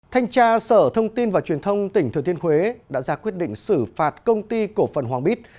thanh tra sở thông tin và truyền thông tỉnh thừa thiên huế đã ra quyết định xử phạt công ty cổ phần hoàng bít